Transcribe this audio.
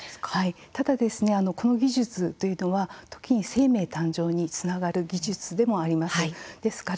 ただ、この技術というのは時に生命誕生につながる技術でもあります。